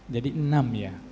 jadi enam ya